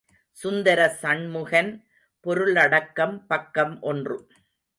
சுந்தர சண்முகன் பொருளடக்கம் பக்கம் ஒன்று.